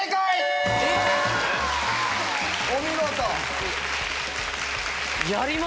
お見事。